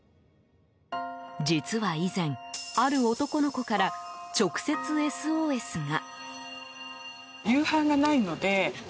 実は以前ある男の子から直接ＳＯＳが。